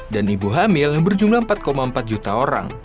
dan ibu hamil berjumlah empat empat juta orang